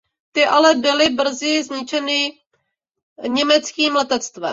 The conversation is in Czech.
Ty ale byly brzy zničeny německým letectvem.